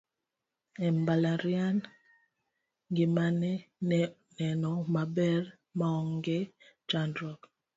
e mbalariany, ngimane ne neno maber maonge chandruok